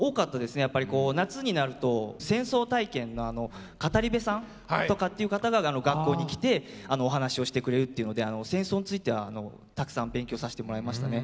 やっぱりこう夏になると戦争体験の語り部さんとかっていう方が学校に来てお話をしてくれるっていうので戦争についてはたくさん勉強させてもらいましたね。